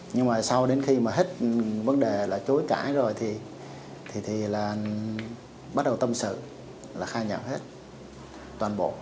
nhưng mà sau đến khi mà hết vấn đề là chối cãi rồi thì là bắt đầu tâm sự là khai nhận hết toàn bộ